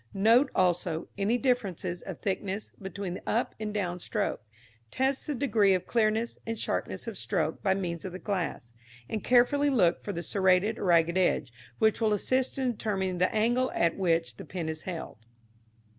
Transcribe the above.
Note, also, any difference of thickness between the up and down stroke; test the degree of clearness and sharpness of stroke by means of the glass, and carefully look for the serrated or ragged edge, which will assist in determining the angle at which the pen is held.